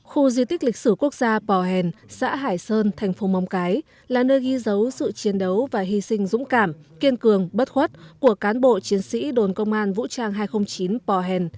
khu di tích lịch sử quốc gia pò hèn xã hải sơn thành phố móng cái là nơi ghi dấu sự chiến đấu và hy sinh dũng cảm kiên cường bất khuất của cán bộ chiến sĩ đồn công an vũ trang hai trăm linh chín pò hèn